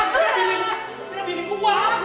wah kira kira biniku kuat